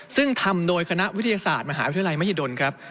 ซึ่งทำโดยคณะวิทยาศาสตร์มหาวิทยาลัยมหิดลครับ